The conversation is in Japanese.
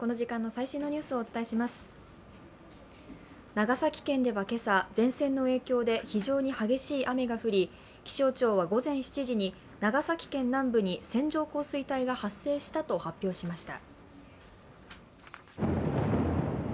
長崎県では今朝、前線の影響で非常に激しい雨が降り、気象庁は午前７時に長崎県南部に線状降水帯が発生したと発表しました。